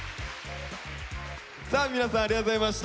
さあ皆さんありがとうございました。